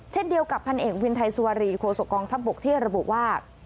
เช่นเดียวกับพันเอกวินไทยสุวรีโคศกองทัพบกที่ระบุว่า